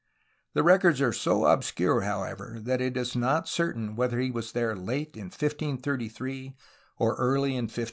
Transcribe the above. The records are so obscure, however, that it is not certain whether he was there late in 1533 or early in 1534.